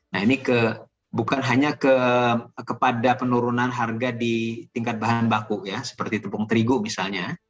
nah ini bukan hanya kepada penurunan harga di tingkat bahan baku ya seperti tepung terigu misalnya